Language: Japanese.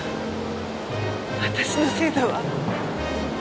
私のせいだわ。